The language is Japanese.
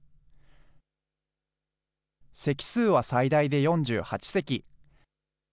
席数は最大で４８席。